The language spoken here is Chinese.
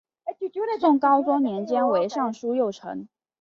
宋高宗年间为尚书右丞。